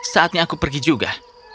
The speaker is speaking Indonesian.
saatnya aku pergi juga